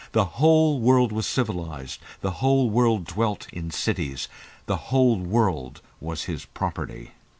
The whole world was civilised; the whole world dwelt in cities; the whole world was his property....